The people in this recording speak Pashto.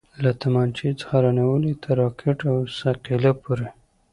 له تمانچې څخه رانيولې تر راکټ او ثقيله پورې.